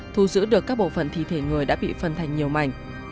thu giữ được các bộ phần thí thể người đã bị phân thành nhiều mảnh